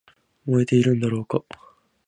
燃えているんだろうか